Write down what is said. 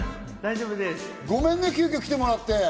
ごめんね、急きょ来てもらって。